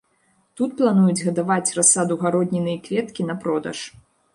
Тут плануюць гадаваць расаду гародніны і кветкі на продаж.